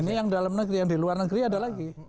ini yang dalam negeri yang di luar negeri ada lagi